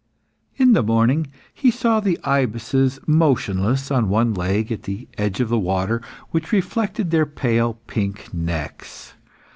In the morning, he saw the ibises motionless on one leg at the edge of the water, which reflected their pale pink necks.